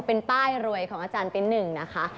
เป็นป้ายรวยของอาจารย์ปิ๊งหนึ่งนะคะ